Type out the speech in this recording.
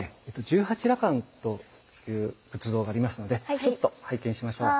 十八羅漢という仏像がありますのでちょっと拝見しましょう。